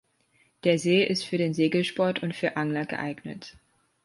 Der See ist für den Segelsport und für Angler geeignet.